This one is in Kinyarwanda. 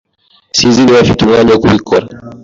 Sinzi niba mfite umwanya wo kubikora.